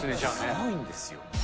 すごいんですよ。